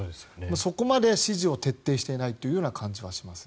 そこまで指示を徹底していないというような感じはします。